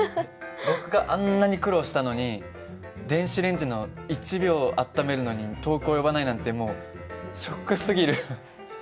僕があんなに苦労したのに電子レンジの１秒温めるのに遠く及ばないなんてもうショックすぎる。